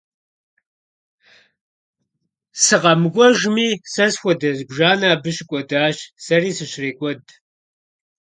СыкъэмыкӀуэжми, сэ схуэдэ зыбжанэ абы щыкӀуэдащ, сэри сыщрекӀуэд.